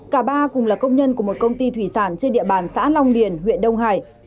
cả ba cùng là công nhân của một công ty thủy sản trên địa bàn xã long điền huyện đông hải